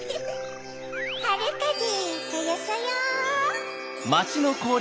はるかぜそよそよ！